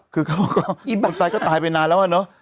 คือเขาก็บอกตายก็ตายไปนานแล้วอะเนาะ